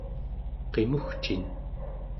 qimugcin